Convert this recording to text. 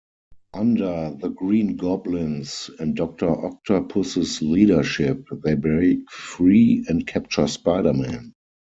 Under the Green Goblin's and Doctor Octopus's leadership, they break free and capture Spider-Man.